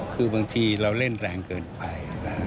คือบางทีเราเล่นแรงเกินไป